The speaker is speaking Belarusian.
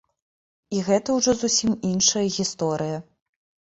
І гэта ўжо зусім іншая гісторыя.